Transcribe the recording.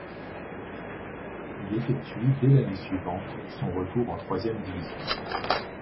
Il effectue dès l'année suivante son retour en troisième division.